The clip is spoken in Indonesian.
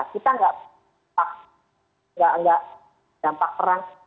kita nggak dampak perang